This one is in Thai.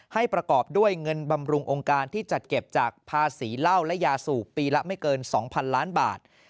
ประกอบด้วยเงินบำรุงองค์การที่จัดเก็บจากภาษีเหล้าและยาสูบปีละไม่เกิน๒๐๐๐ล้านบาท